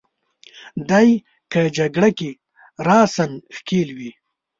دای که جګړه کې راساً ښکېل وي.